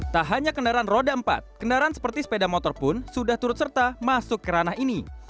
tak hanya kendaraan roda empat kendaraan seperti sepeda motor pun sudah turut serta masuk ke ranah ini